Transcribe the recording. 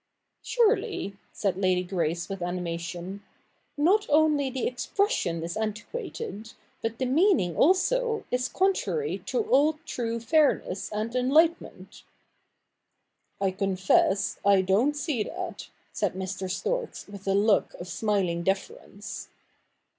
' Surely,' said Lady Grace with animation, ' not only the expression is antiquated, but the meaning also is contrary to all true fairness and enlightenment.' ' I confess, I don't see that,' said Mr. Storks with a look of smiling deference.